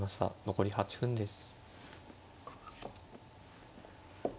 残り８分です。